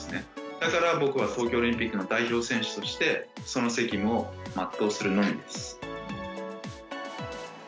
だから僕は東京オリンピックの代表選手として、その責務を全うするのみです。